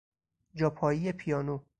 جاپایی پیانو